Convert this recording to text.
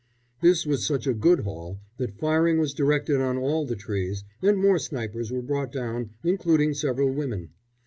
This was such a good haul that firing was directed on all the trees, and more snipers were brought down, including several women.